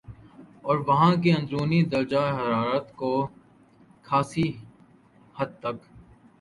اور وہاں کے اندرونی درجہ حرارت کو خاصی حد تک